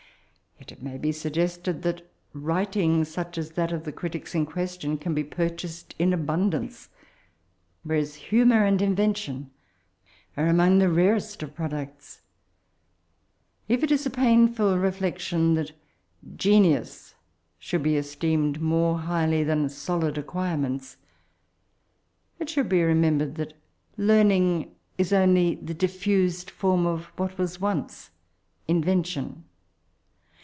Yet it may be suggested that writing such as that of the critics in question can ^be purchased in abundance, whereas humour and invention are among tbe rarest of products. If it is a piufnl reflection that genius should be esteemed more highly than solid acquirements, it should be remem bered that learning is only the diffused form of what was oimm in* vention.